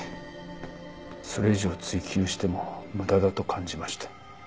それ以上追及しても無駄だと感じました。